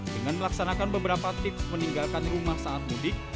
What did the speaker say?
dengan melaksanakan beberapa tips meninggalkan rumah saat mudik